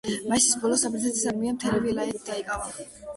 მაისის ბოლოს საბერძნეთის არმიამ მთელი ვილაიეთი დაიკავა.